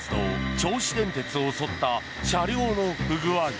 銚子電鉄を襲った車両の不具合。